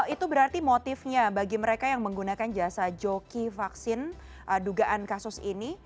itu berarti motifnya bagi mereka yang menggunakan jasa joki vaksin dugaan kasus ini